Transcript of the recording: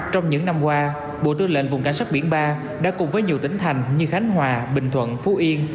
trong những năm qua bộ tư lệnh vùng cảnh sát biển ba đã cùng với nhiều tỉnh thành như khánh hòa bình thuận phú yên